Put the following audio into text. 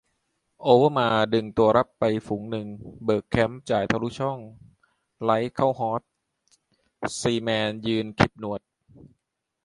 โอเวอร์มาร์สดึงตัวรับไปฝูงนึง เบิร์กแคมป์จ่ายทะลุช่อง ไรต์เข้าฮอส ซีแมนยืนขลิบหนวด